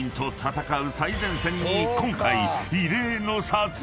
［今回］